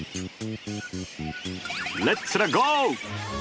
レッツラゴー！